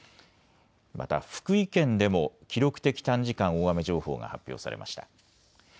また福井県でも記録的短時間大雨情報が発表されました。